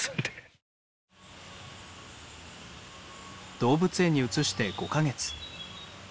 動物園に移して５カ月。